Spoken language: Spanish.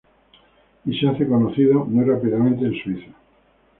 Y se hace conocido muy rápidamente en Suiza.